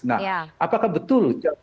nah apakah betul